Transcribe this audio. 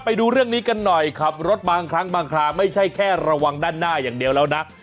ไปดูเรื่องนี้กันหน่อยขับรถบางครั้งบางคราไม่ใช่แค่ระวังด้านหน้าอย่างเดียวแล้วนะ